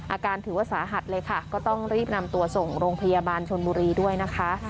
อาการถือว่าสาหัสเลยค่ะก็ต้องรีบนำตัวส่งโรงพยาบาลชนบุรีด้วยนะคะ